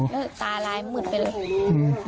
แล้วตาลายมืดไปเลย